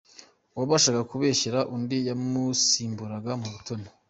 Uwabashaga kubeshyera undi yamusimburaga mu butoni.